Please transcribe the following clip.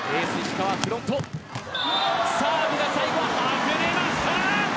サーブが最後は外れました。